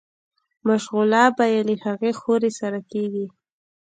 مشغولا به ئې له هغې حورې سره کيږي